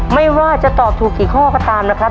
ไม่ว่าจะตอบถูกกี่ข้อก็ตามนะครับ